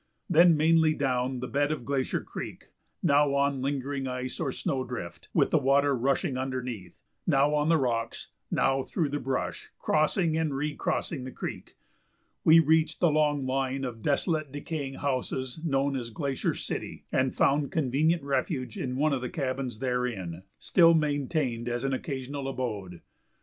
Then, mainly down the bed of Glacier Creek, now on lingering ice or snow drift, with the water rushing underneath, now on the rocks, now through the brush, crossing and recrossing the creek, we reached the long line of desolate, decaying houses known as Glacier City, and found convenient refuge in one of the cabins therein, still maintained as an occasional abode.